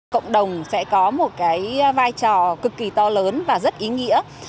cộng đồng sẽ có một cái vai trò cực kỳ to lớn và rất ý nghĩa